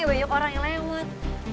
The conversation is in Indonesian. banyak orang yang lewat